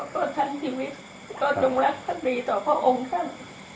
ก็จัดชีวิตก็จงรักท่านดีต่อพ่อองค์ฉัน